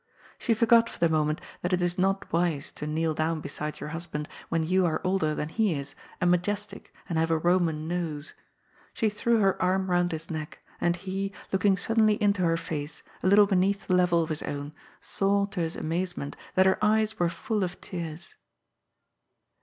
She forgot for the moment that it is not wise to kneel down beside your husband, when you are older than he is and majestic and have a Boman nose. She threw her arm round his neck, and he, looking suddenly into her face, a little beneath the level of his own, saw, to his amazement, that her eyes were full of tears.